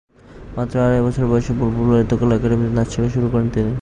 মাত্র আড়াই বছর বয়সে বুলবুল ললিতকলা একাডেমিতে নাচ শেখা শুরু করেন তিনি।